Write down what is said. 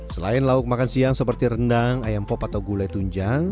selain lauk makan siang seperti rendang ayam pop atau gulai tunjang